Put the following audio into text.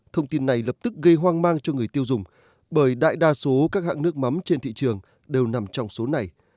thông tin này lập tức gây hoang mang cho người tiêu dùng bởi đại đa số các hãng nước mắm trên thị trường đều nằm trong số này